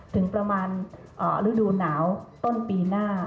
ถึงประมาณฤดูหนาวต้นปีหน้า